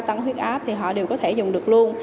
tăng huyết áp thì họ đều có thể dùng được luôn